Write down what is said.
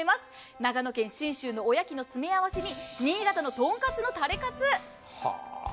長野県信州のおやきの詰め合わせに新潟のとんかつのタレかつ。